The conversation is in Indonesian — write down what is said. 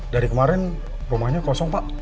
dari kemarin rumahnya kosong pak